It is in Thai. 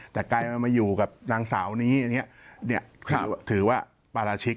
แต่กลายมาอยู่กับนางสาวนี้คือถือว่าปราชิก